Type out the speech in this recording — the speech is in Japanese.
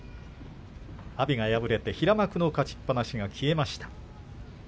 阿炎が敗れて平幕の勝ちっぱなしが消えました。